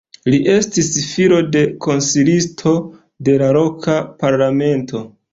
Li estis filo de konsilisto de la loka parlamento.